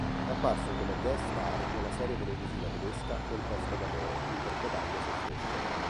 È apparso come "guest star" nella serie televisiva tedesca "Tempesta d'amore", interpretando se stesso.